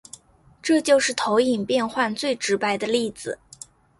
这就是投影变换最直白的例子。